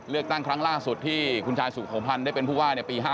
เลือกตั้งครั้งล่าสุดที่คุณชายสุโขพันธ์ได้เป็นผู้ว่าปี๕๗